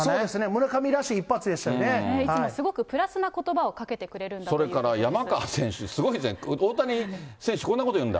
村上らしい一発いつもすごくプラスなことばそれから山川選手、すごいですね、大谷選手、こんなこと言うんだ。